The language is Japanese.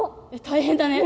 大変だね。